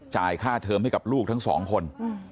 จ่ายค่าเทอมให้กับลูกทั้งสองคน